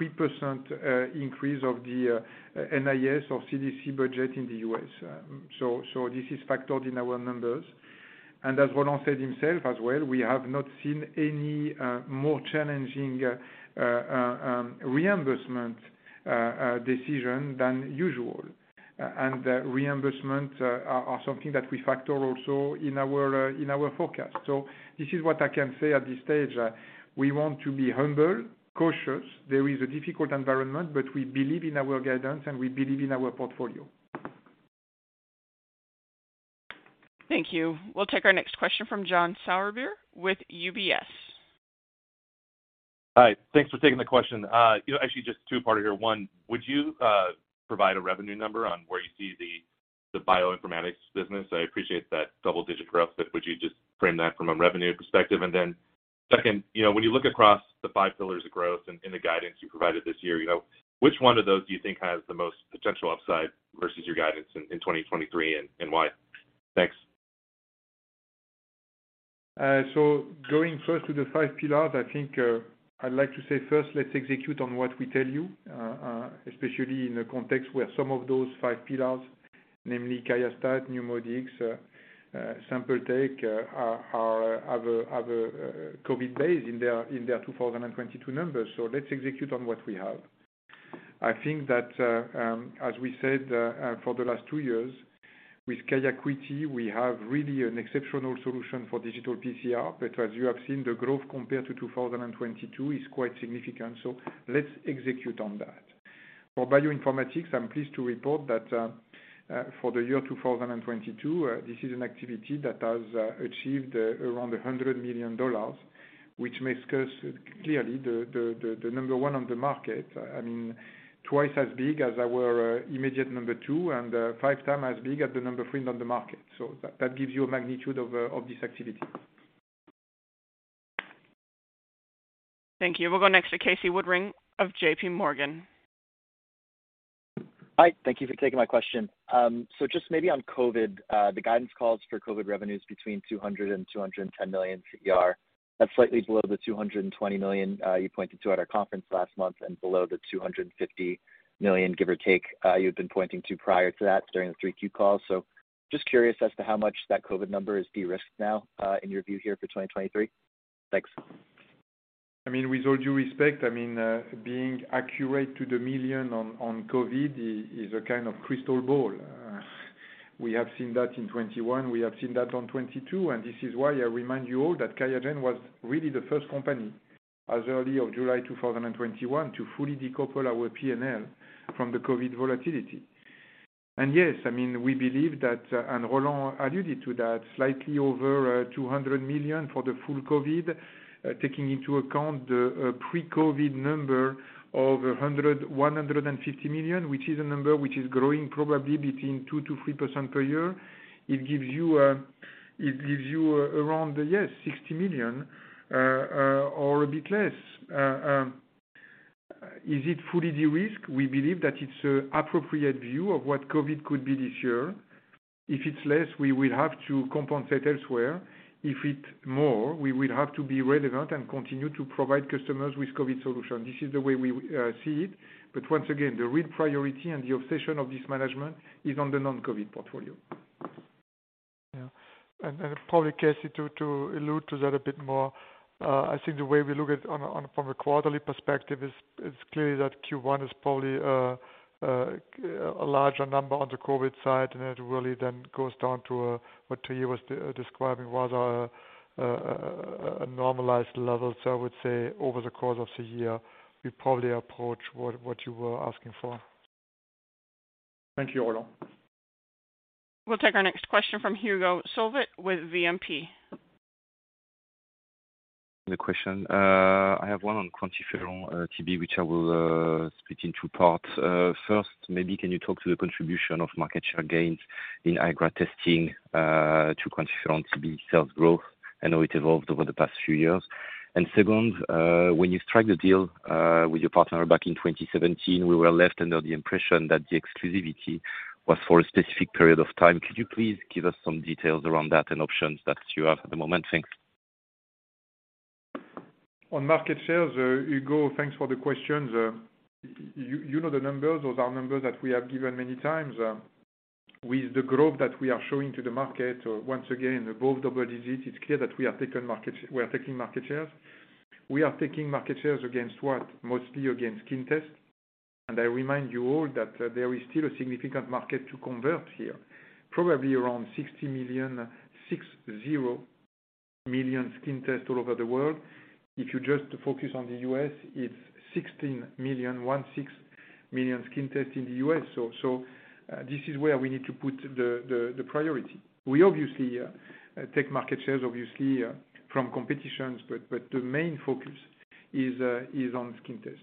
3% increase of the NIH or CDC budget in the U.S. This is factored in our numbers. As Roland said himself as well, we have not seen any more challenging reimbursement decision than usual. Reimbursement are something that we factor also in our forecast. This is what I can say at this stage. We want to be humble, cautious. There is a difficult environment, but we believe in our guidance, and we believe in our portfolio. Thank you. We'll take our next question from John Sourbeer with UBS. Hi. Thanks for taking the question. You know, actually just two-part here. One, would you provide a revenue number on where you see the bioinformatics business? I appreciate that double-digit growth, but would you just frame that from a revenue perspective? Second, you know, when you look across the Five Pillars of Growth in the guidance you provided this year, you know, which one of those do you think has the most potential upside versus your guidance in 2023 and why? Thanks. Going first with the Five Pillars, I think, I'd like to say first, let's execute on what we tell you, especially in a context where some of those Five Pillars, namely QIAstat, NeuMoDx, Sample Tech, are have a COVID base in their 2022 numbers. Let's execute on what we have. I think that, as we said, for the last two years, with QIAcuity, we have really an exceptional solution for digital PCR. As you have seen, the growth compared to 2022 is quite significant. Let's execute on that. For bioinformatics, I'm pleased to report that for the year 2022, this is an activity that has achieved around $100 million, which makes us clearly the number one on the market. I mean, twice as big as our immediate number two and five times as big as the number three on the market. That gives you a magnitude of this activity. Thank you. We'll go next to Casey Woodring of JPMorgan. Hi, thank you for taking my question. Maybe on COVID, the guidance calls for COVID revenues between CR 200 million and CR 210 million. That's slightly below the CR 220 million you pointed to at our conference last month and below the CR 250 million, give or take, you've been pointing to prior to that during the 3Q calls. Just curious as to how much that COVID number is de-risked now in your view here for 2023? Thanks. I mean, with all due respect, I mean, being accurate to the million on COVID is a kind of crystal ball. We have seen that in 2021, we have seen that on 2022. This is why I remind you all that QIAGEN was really the first company as early of July 2021 to fully decouple our P&L from the COVID volatility. Yes, I mean, we believe that, and Roland alluded to that, slightly over $200 million for the full COVID, taking into account the pre-COVID number of $150 million, which is a number which is growing probably between 2%-3% per year. It gives you around, yes, $60 million, or a bit less. Is it fully de-risked? We believe that it's a appropriate view of what COVID could be this year. If it's less, we will have to compensate elsewhere. If it more, we will have to be relevant and continue to provide customers with COVID solution. This is the way we see it. Once again, the real priority and the obsession of this management is on the non-COVID portfolio. Yeah. Probably, Casey, to allude to that a bit more, I think the way we look at on from a quarterly perspective is clearly that Q1 is probably a larger number on the COVID side, and it really then goes down to what Thierry was describing, what are a normalized level. I would say over the course of the year, we probably approach what you were asking for. Thank you, Roland. We'll take our next question from Hugo Solvet with BNP. The question. I have one on QuantiFERON-TB, which I will split in two parts. First, maybe can you talk to the contribution of market share gains in IGRA testing to QuantiFERON-TB sales growth? I know it evolved over the past few years. Second, when you strike the deal with your partner back in 2017, we were left under the impression that the exclusivity was for a specific period of time. Could you please give us some details around that and options that you have at the moment? Thanks. On market shares, Hugo, thanks for the questions. You know the numbers. Those are numbers that we have given many times. With the growth that we are showing to the market, once again, above double digits, it's clear that we are taking market shares. We are taking market shares against what? Mostly against skin test. I remind you all that there is still a significant market to convert here, probably around $60 million skin test all over the world. If you just focus on the U.S., it's $16 million skin test in the U.S. This is where we need to put the priority. We obviously take market shares, obviously, from competitions, but the main focus is on skin test.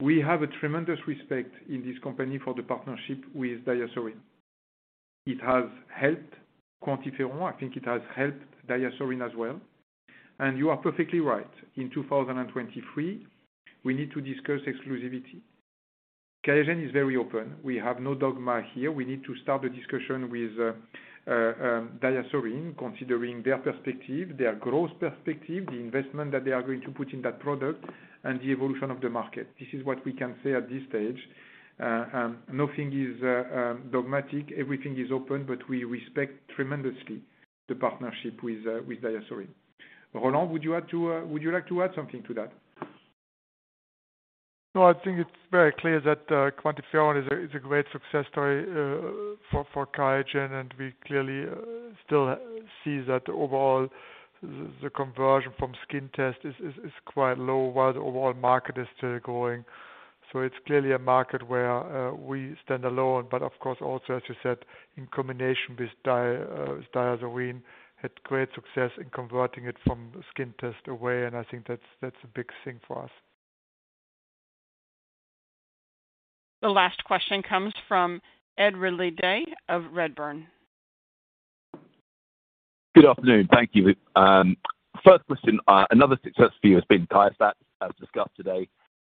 We have a tremendous respect in this company for the partnership with DiaSorin. It has helped QuantiFERON. I think it has helped DiaSorin as well. You are perfectly right. In 2023, we need to discuss exclusivity. QIAGEN is very open. We have no dogma here. We need to start a discussion with DiaSorin, considering their perspective, their growth perspective, the investment that they are going to put in that product and the evolution of the market. This is what we can say at this stage. Nothing is dogmatic, everything is open, but we respect tremendously the partnership with DiaSorin. Roland, would you add to, would you like to add something to that? No, I think it's very clear that QuantiFERON is a great success story for QIAGEN, and we clearly still see that overall the conversion from skin test is quite low, while the overall market is still growing. It's clearly a market where we stand alone. Of course, also as you said, in combination with DiaSorin had great success in converting it from skin test away, and I think that's a big thing for us. The last question comes from Ed Ridley-Day of Redburn. Good afternoon. Thank you. First question. Another success for you has been QIAstat-Dx, as discussed today.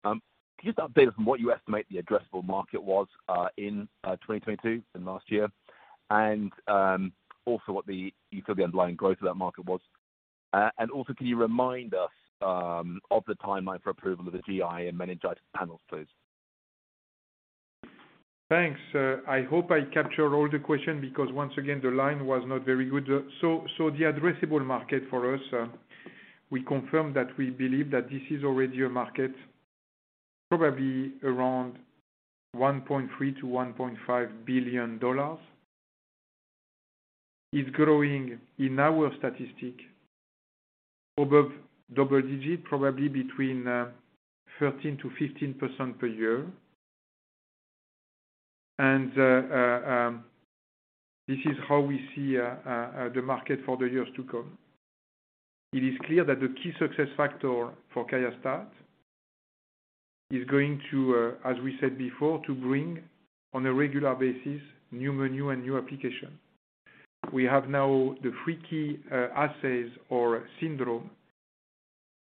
Can you just update us on what you estimate the addressable market was in 2022 than last year? Also what you feel the underlying growth of that market was. Also can you remind us of the timeline for approval of the GI and meningitis panels, please? Thanks. I hope I captured all the question because once again, the line was not very good. The addressable market for us, we confirm that we believe that this is already a market probably around $1.3 billion-$1.5 billion. It's growing in our statistic above double-digit, probably between 13%-15% per year. This is how we see the market for the years to come. It is clear that the key success factor for QIAstat-Dx is going to, as we said before, to bring on a regular basis new menu and new application. We have now the three key assays or syndrome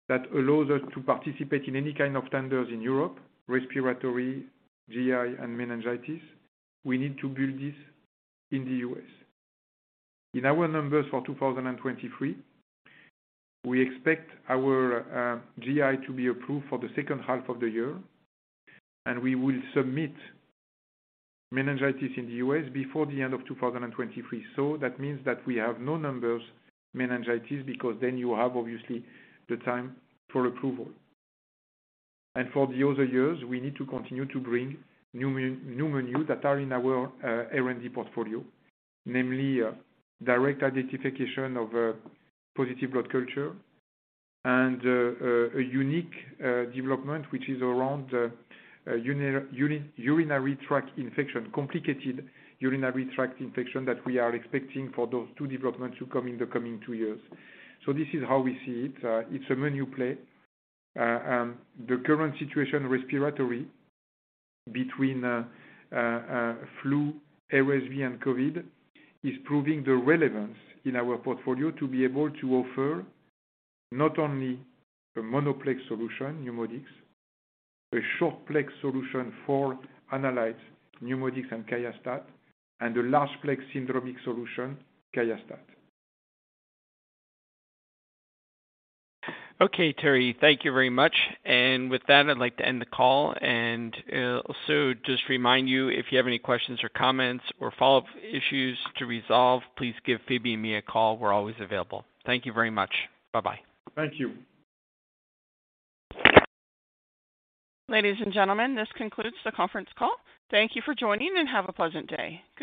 that allows us to participate in any kind of tenders in Europe, respiratory, GI, and meningitis. We need to build this in the U.S. In our numbers for 2023, we expect our GI to be approved for the second half of the year. We will submit meningitis in the U.S. before the end of 2023. That means that we have no numbers, meningitis, because then you have obviously the time for approval. For the other years, we need to continue to bring new menu that are in our R&D portfolio. Namely, direct identification of positive blood culture and a unique development which is around urinary tract infection, complicated urinary tract infection that we are expecting for those two developments to come in the coming 2 years. This is how we see it. It's a menu play. The current situation respiratory between flu, RSV and COVID is proving the relevance in our portfolio to be able to offer not only a monoplex solution, NeuMoDx, a short-plex solution for analyze NeuMoDx and QIAstat-Dx, and a large plex syndromic solution, QIAstat-Dx. Okay, Thierry, thank you very much. With that, I'd like to end the call. Just remind you, if you have any questions or comments or follow-up issues to resolve, please give Phoebe and me a call. We're always available. Thank you very much. Bye-bye. Thank you. Ladies and gentlemen, this concludes the conference call. Thank you for joining, and have a pleasant day.